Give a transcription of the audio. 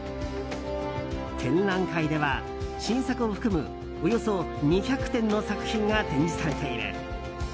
展覧会では、新作を含むおよそ２００点の作品が展示されている。